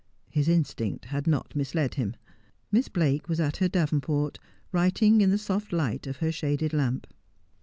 His instinct had not misled him. Miss Blake was at her davenport, writing in the soft light of her shaded lamp.